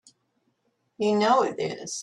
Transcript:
You know it is!